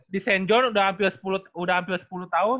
di sengjon udah hampir sepuluh tahun